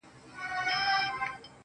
o د زړه لاسونه مو مات ، مات سول پسي.